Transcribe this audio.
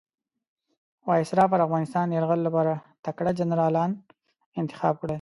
وایسرا پر افغانستان یرغل لپاره تکړه جنرالان انتخاب کړل.